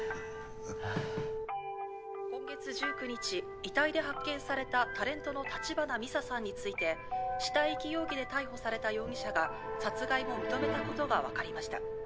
今月１９日遺体で発見されたタレントの橘美沙さんについて死体遺棄容疑で逮捕された容疑者が殺害も認めたことが分かりました。